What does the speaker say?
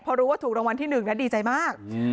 พอรู้ว่าถูกรางวัลที่๑นะดีใจมาก